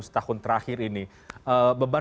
setahun terakhir ini beban